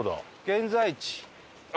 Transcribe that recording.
現在地。